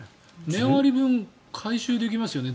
値上がり分回収できますよね